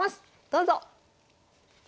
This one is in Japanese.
どうぞ。